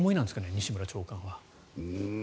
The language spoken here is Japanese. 西村長官は。